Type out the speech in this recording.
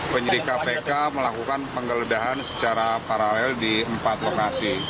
penyidik kpk melakukan penggeledahan secara paralel di empat lokasi